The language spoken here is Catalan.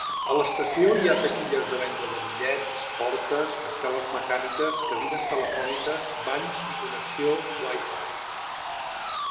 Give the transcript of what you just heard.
A l'estació hi ha taquilles de venda de bitllets, portes, escales mecàniques, cabines telefòniques, banys i connexió Wi-Fi.